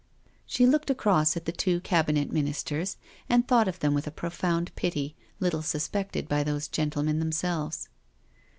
She looked across at the two Cabinet Ministers and thought of them with a profound pity little suspected by those gentlemen themselves.